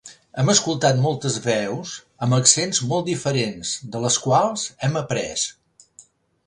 Hem escoltat moltes veus, amb accents molt diferents, de les quals hem après.